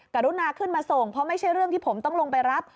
กรุณาขึ้นมาส่งเพราะไม่ใช่เรื่องที่ผมต้องลงไปรับ